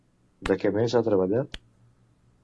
De què més ha treballat?